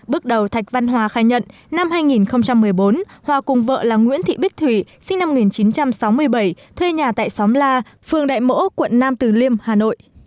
bước đầu thạch văn hòa khai nhận năm hai nghìn một mươi bốn hòa cùng vợ là nguyễn thị bích thủy sinh năm một nghìn chín trăm sáu mươi bảy thuê nhà tại xóm la phường đại mỗ quận nam từ liêm hà nội